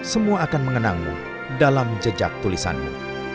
semua akan mengenangmu dalam jejak tulisanmu